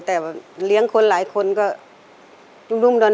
แต่เลี้ยงคนหลายคนก็นุ่มดอน